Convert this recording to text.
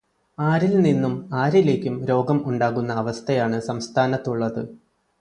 ആരില് നിന്നും ആരിലേക്കും രോഗം ഉണ്ടാകുന്ന അവസ്ഥയാണ് സംസ്ഥാനത്തുള്ളത്.